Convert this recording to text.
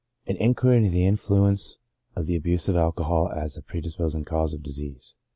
AN INQUIRY INTO THE INFLUENCE OF THE ABUSE OF ALCOHOL AS A PREDISPOSING CAUSE OF DISEASE.